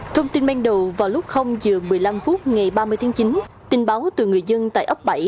thông tin ban đầu vào lúc giờ một mươi năm phút ngày ba mươi tháng chín tin báo từ người dân tại ấp bảy